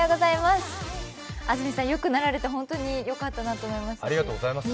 安住さんよくなられて本当によかったなと思います。